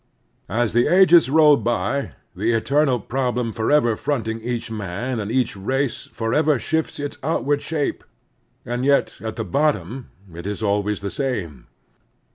As the ages roll by, the eternal problem forever fronting each man and each race forever shifts its outward shape, and yet at the bottom it is always the same.